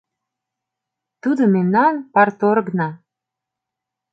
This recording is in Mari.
— Тудо мемнан парторгна.